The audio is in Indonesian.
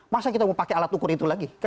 masa kita mau pakai alat ukur itu lagi